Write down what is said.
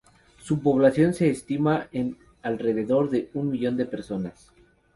Su población se estima en alrededor de un millón de personas.